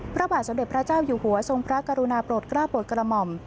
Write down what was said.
พระบาทสมเด็จพระเจ้าอยู่หัวทรงพระกรุณาโปรดกล้าโปรดกระหม่อม